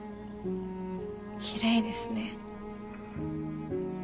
きれいですね。